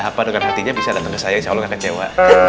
apa dengan hatinya bisa datang ke saya insya allah gak kecewa